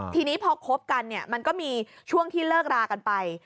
ทีนี้พอคบกันเนี่ยมันก็มีช่วงที่เลิกรากันไป